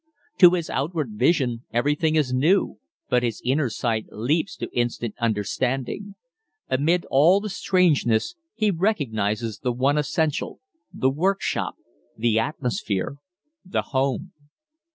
To his outward vision everything is new, but his inner sight leaps to instant understanding. Amid all the strangeness he recognizes the one essential the workshop, the atmosphere, the home.